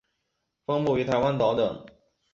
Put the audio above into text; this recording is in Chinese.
分布于台湾岛等。